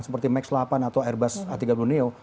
seperti max delapan atau airbus a tiga puluh neo